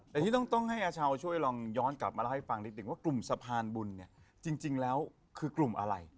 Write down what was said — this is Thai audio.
แต่ที่ต้องให้อาชาวช่วยลองย้อนกลับมาเล่าให้ฟังนิดนึงว่ากลุ่มสะพานบุญเนี่ยจริงแล้วคือกลุ่มอะไร